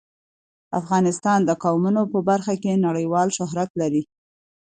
افغانستان د قومونه په برخه کې نړیوال شهرت لري.